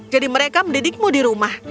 jadi mereka mendidikmu di rumah